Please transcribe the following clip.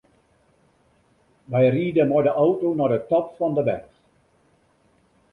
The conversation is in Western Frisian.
Wy ride mei de auto nei de top fan de berch.